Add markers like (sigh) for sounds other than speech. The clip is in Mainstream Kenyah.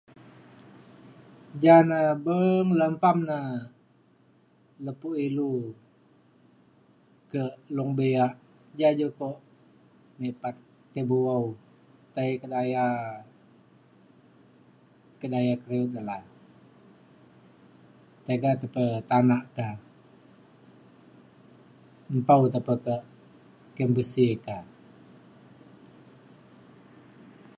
ja ne beng lempam ne lepo ilu kak Long Biak ja je kok me pat tai bu’au. tai kedaya kedaya kedi’ut ne lan. tiga te pe tanak ta. nta un te pe ke (unintelligible) ka.